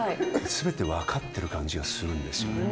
すべて分かってる感じがするんですよね。